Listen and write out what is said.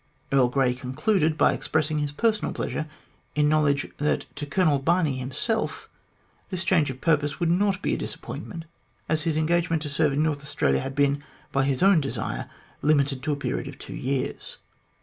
Earl Grey concluded by expressing his personal pleasure in the know ledge that to Colonel Barney himself this change of purpose would not be a disappointment, as his engagement to serve in North Australia had been, by his own desire, limited to a period of two years.